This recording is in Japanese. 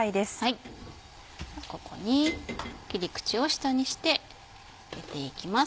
ここに切り口を下にして入れていきます。